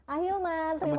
ahilman terima kasih